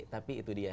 tapi itu dia